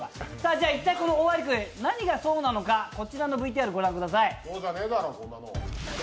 じゃあ一体このオオアリクイ何が層なのかこちらのＶＴＲ御覧ください。